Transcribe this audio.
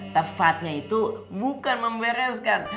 tepatnya itu bukan membereskan